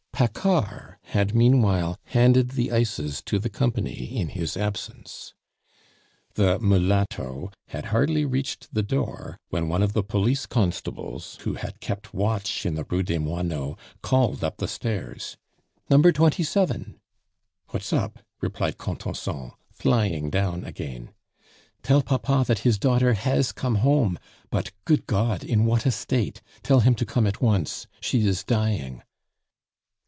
Paccard had meanwhile handed the ices to the company in his absence. The mulatto had hardly reached the door when one of the police constables who had kept watch in the Rue des Moineaux called up the stairs: "Number twenty seven." "What's up?" replied Contenson, flying down again. "Tell Papa that his daughter has come home; but, good God! in what a state. Tell him to come at once; she is dying."